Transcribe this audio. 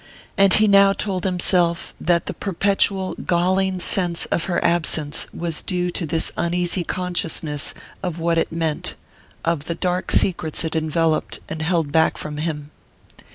And he now told himself that the perpetual galling sense of her absence was due to this uneasy consciousness of what it meant, of the dark secrets it enveloped and held back from him.